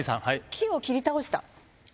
木を切り倒した？